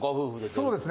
そうですね。